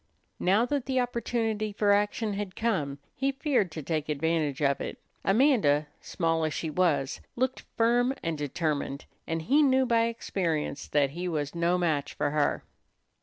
Now that the opportunity for action had come, he feared to take advantage of it. Amanda, small as she was, looked firm and determined, and he knew by experience that he was no match for her.